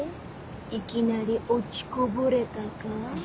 いきなり落ちこぼれたか？